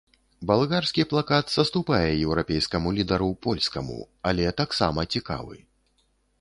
Балгарскі плакат саступае еўрапейскаму лідару, польскаму, але таксама цікавы.